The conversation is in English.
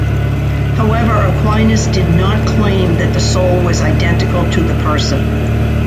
However, Aquinas did not claim that the soul was identical to the person.